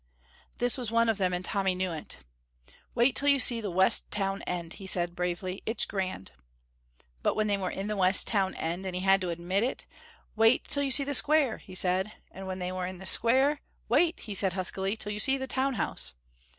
This was one of them and Tommy knew it. "Wait till you see the west town end," he said bravely; "it's grand." But when they were in the west town end, and he had to admit it, "Wait till you see the square," he said, and when they were in the square, "Wait," he said, huskily, "till you see the town house."